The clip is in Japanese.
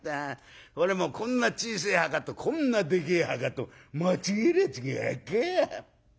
それもこんな小せえ墓とこんなでけえ墓と間違えるやつがあっか？